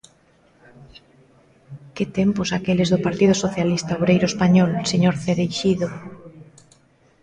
¡Que tempos aqueles do Partido Socialista Obreiro Español, señor Cereixido!